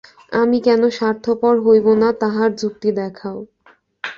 আমি কেন স্বার্থপর হইব না, তাহার যুক্তি দেখাও।